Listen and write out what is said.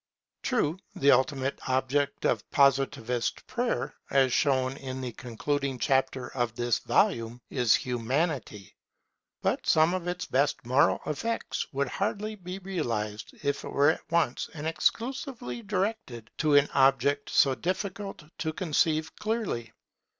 True, the ultimate object of Positivist Prayer, as shown in the concluding chapter of this volume, is Humanity. But some of its best moral effects would hardly be realized, if it were at once and exclusively directed to an object so difficult to conceive clearly.